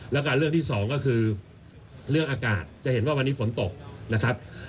แล้วก็เรื่องที่สองก็คือเรื่องอากาศจะเห็นว่าวันนี้ฝนตกนะครับ